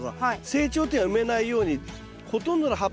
成長点は埋めないようにほとんどの葉っぱのところをですね